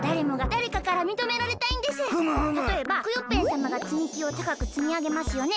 たとえばクヨッペンさまがつみきをたかくつみあげますよね？